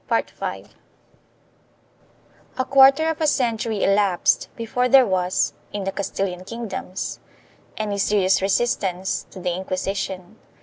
4 A quarter of a century elapsed before there was, in the Castilian kingdoms, any serious resistance to the Inquisition.